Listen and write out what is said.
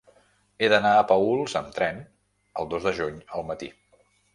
He d'anar a Paüls amb tren el dos de juny al matí.